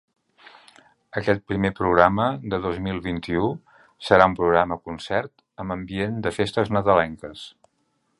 Aquest primer programa de dos mil vint-i-u serà un programa-concert amb ambient de festes nadalenques.